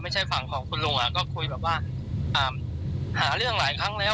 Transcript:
ไม่ใช่ฝั่งของคุณลุงอ่ะก็คุยแบบว่าอ่าหาเรื่องหลายครั้งแล้ว